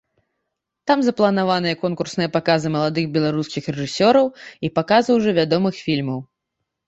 Там запланаваныя конкурсныя паказы маладых беларускіх рэжысёраў і паказы ўжо вядомых фільмаў.